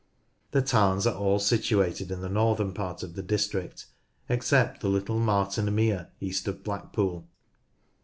The tarns are all situated in the northern part of the district, except the little Marton Mere, east of Blackpool.